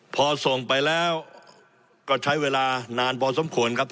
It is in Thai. พอส่งไปแล้วก็ใช้เวลานานพอสมควรครับ